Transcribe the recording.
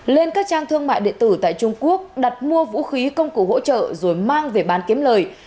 lên các trang thương mại điện tử tại trung quốc đặt mua vũ khí công cụ hỗ trợ rồi mang về bán kiếm lời